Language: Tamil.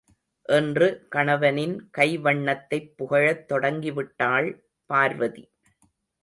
என்று கணவனின் கைவண்ணத்தைப் புகழத் தொடங்கிவிட்டாள் பார்வதி.